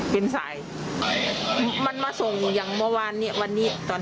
พี่แหละเพราะว่าแสนหกหมื่น